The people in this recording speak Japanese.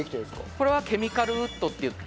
これはケミカルウッドっていって。